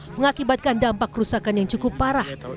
mengakibatkan dampak kerusakan yang cukup parah